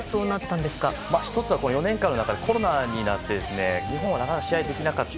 １つは、４年間の中でコロナになって日本はなかなか試合できなかった。